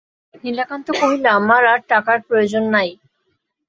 নীলকান্ত কহিল–আমার আর টাকায় প্রয়োজন নাই।